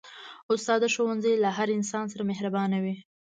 استاد د ښوونځي له هر انسان سره مهربانه وي.